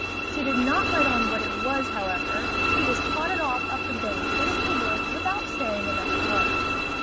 She did not let on what it was, however. She just trotted off up the bank into the woods without saying another word.